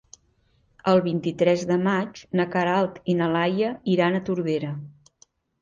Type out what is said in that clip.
El vint-i-tres de maig na Queralt i na Laia iran a Tordera.